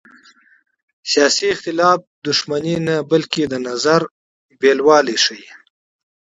سیاسي اختلاف دښمني نه بلکې د نظر تنوع ښيي